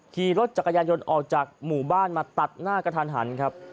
ขี่รถจักรยานยนต์ออกจากหมู่บ้านมาตัดหน้ากระทันหันครับ